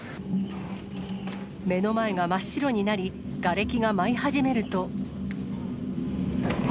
目の前が真っ白になり、がれきが舞い始めると。